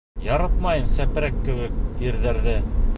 Яратмайым сепрәк кеүек ирҙәрҙе.